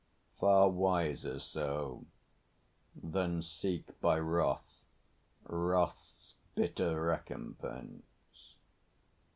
Far wiser so, Than seek by wrath wrath's bitter recompense.